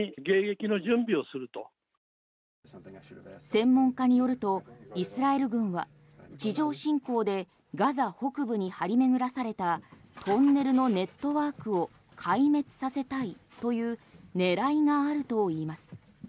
専門家によるとイスラエル軍は地上侵攻でガザ北部に張り巡らされたトンネルのネットワークを壊滅させたいという狙いがあるといいます。